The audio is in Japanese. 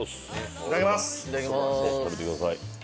いただきまーす。